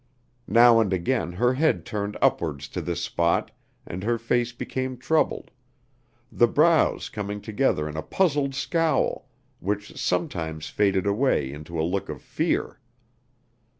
Now and again her head turned upwards to this spot and her face became troubled the brows coming together in a puzzled scowl, which sometimes faded away into a look of fear.